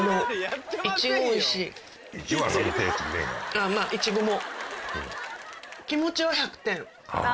あぁまぁイチゴも。